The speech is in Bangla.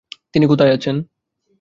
তিনি কোথায় আছেন?